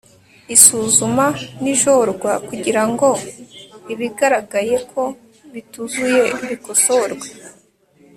isuzuma n ijorwa kugira ngo ibigaragaye ko bituzuye bikosorwe